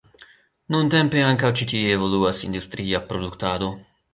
Nuntempe ankaŭ ĉi tie evoluas industria produktado.